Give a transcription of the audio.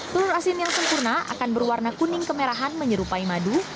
telur asin yang sempurna akan berwarna kuning kemerahan menyerupai madu